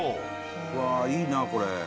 「うわーいいなこれ」